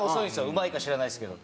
うまいか知らないですけど。